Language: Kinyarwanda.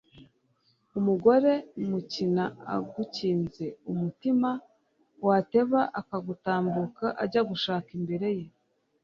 umugore mukina agukinze umutima, wateba akagutambuka ajya gushaka imbere ye